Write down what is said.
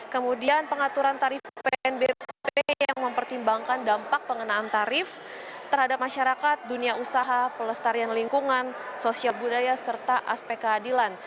kemudian pengaturan tarif pnbp yang mempertimbangkan dampak pengenaan tarif terhadap masyarakat dunia usaha pelestarian lingkungan sosial budaya serta aspek keadilan